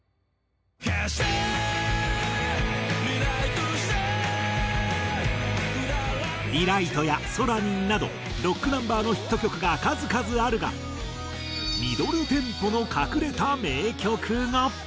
「消してリライトして」『リライト』や『ソラニン』などロックナンバーのヒット曲が数々あるがミドルテンポの隠れた名曲が！